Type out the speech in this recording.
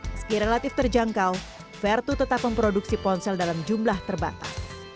meski relatif terjangkau vertu tetap memproduksi ponsel dalam jumlah terbatas